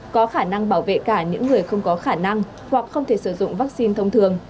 có khả năng bảo vệ cả những người không có khả năng hoặc không thể sử dụng vaccine thông thường